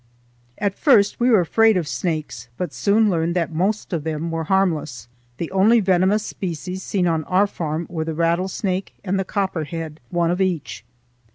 At first we were afraid of snakes, but soon learned that most of them were harmless. The only venomous species seen on our farm were the rattlesnake and the copperhead, one of each.